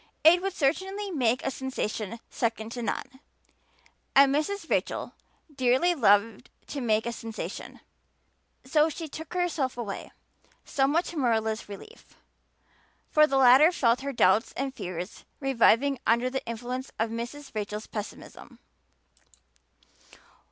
It would certainly make a sensation second to none, and Mrs. Rachel dearly loved to make a sensation. So she took herself away, somewhat to Marilla's relief, for the latter felt her doubts and fears reviving under the influence of Mrs. Rachel's pessimism.